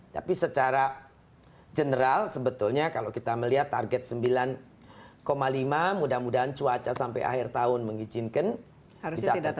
tapi secara general sebetulnya kalau kita melihat target sembilan lima mudah mudahan cuaca sampai akhir tahun mengizinkan bisa tercapai